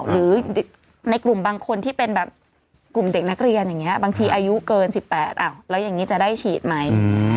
หรือในกลุ่มบางคนที่เป็นแบบกลุ่มเด็กนักเรียนอย่างนี้บางทีอายุเกิน๑๘แล้วอย่างนี้จะได้ฉีดไหม